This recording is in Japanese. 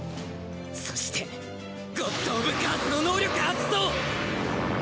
そしてゴッド・オブ・カースの能力発動！